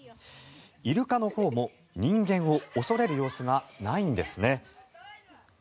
イルカのほうも人間を恐れる様子がないんです。